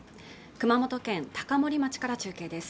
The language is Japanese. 熊本県高森町から中継です